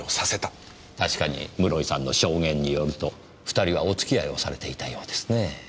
確かに室井さんの証言によると２人はお付き合いをされていたようですね。